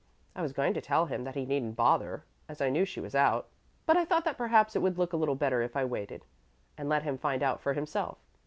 I was going to tell him that he needn't bother, as I knew she was out; but I thought that perhaps it would look a little better if I waited and let him find out for himself.